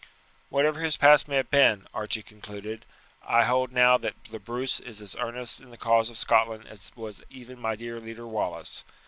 "Whatever his past may have been," Archie concluded, "I hold that now the Bruce is as earnest in the cause of Scotland as was even my dear leader Wallace.